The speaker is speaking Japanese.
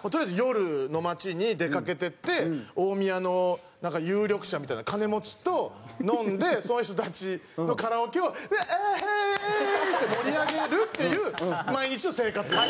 とりあえず夜の街に出かけていって大宮のなんか有力者みたいな金持ちと飲んでその人たちのカラオケをヘイヘイヘイ！って盛り上げるっていう毎日の生活ですよ。